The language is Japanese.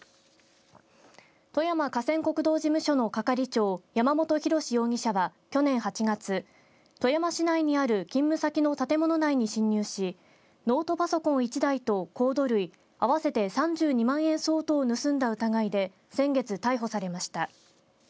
富山河川国道事務所の係長山本広容疑者は、去年８月富山市内にある勤務先の建物内に侵入しノートパソコン１台とコード類合わせて３２万円相当を盗んだ疑いで先月逮捕されました。